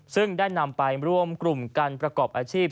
ซึ่งได้นำไปรวมกลุ่มการประกอบอาชีพ